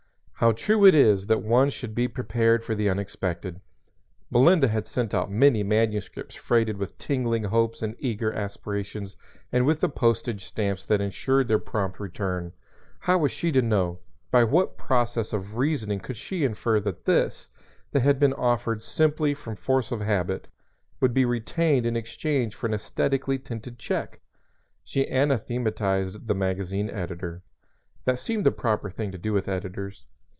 How true it is that one should be prepared for the unexpected. Melinda had sent out many manuscripts freighted with tingling hopes and eager aspirations and with the postage stamps that insured their prompt return; how was she to know, by what process of reasoning could she infer that this, that had been offered simply from force of habit, would be retained in exchange for an æsthetically tinted check? She anathematized the magazine editor. (That seems the proper thing to do with editors.)